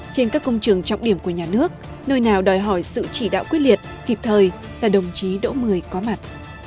trên các công trường trọng điểm của nhà nước nơi nào đòi hỏi sự chỉ đạo quyết liệt kịp thời là đồng chí đỗ mười có mặt